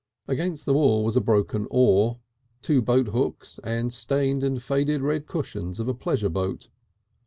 Against the wall was a broken oar, two boat hooks and the stained and faded red cushions of a pleasure boat.